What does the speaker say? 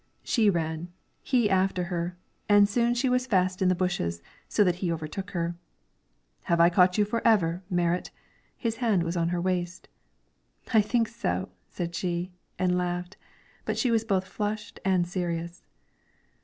She ran; he after her; and soon she was fast in the bushes, so that he overtook her. "Have I caught you forever, Merit?" His hand was on her waist. "I think so," said she, and laughed; but she was both flushed and serious.